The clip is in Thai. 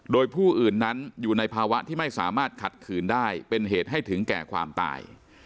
โดยผู้อื่นนั้นอยู่ในภาวะที่ไม่สามารถขัดขืนได้เป็นเหตุให้ถึงแก่ความตาย